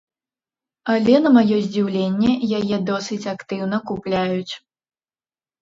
Але, на маё здзіўленне, яе досыць актыўна купляюць.